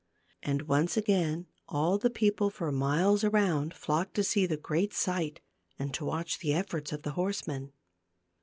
And once again all the people for miles around flocked to see the great sight and to watch the efforts of the horsemen.